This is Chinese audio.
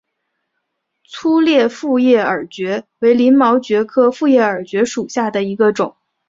粗裂复叶耳蕨为鳞毛蕨科复叶耳蕨属下的一个种。